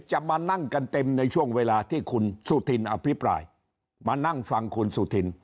จะมานั่งกันเต็มในช่วงเวลาที่คุณสุธินอภิปรายมานั่งฟังคุณสุธิน